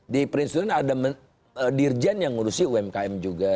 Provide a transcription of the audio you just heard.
di perindustrian ada dirjen yang mengurusi umkm juga